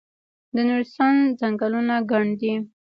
د نورستان ځنګلونه ګڼ دي